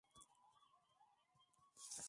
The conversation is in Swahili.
kutoa tarifa kuhusu matokeo ya uchimbaji mafuta